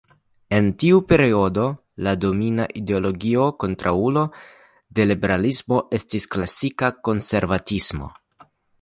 En tiu periodo, la domina ideologia kontraŭulo de liberalismo estis klasika konservativismo.